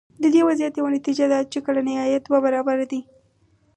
د دې وضعیت یوه نتیجه دا ده چې کلنی عاید دوه برابره دی.